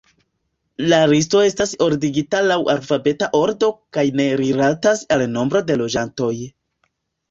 La listo estas ordigita laŭ alfabeta ordo kaj ne rilatas al nombro de loĝantoj.